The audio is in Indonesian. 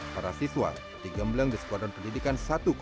para siswa digembleng di squadron pendidikan satu ratus satu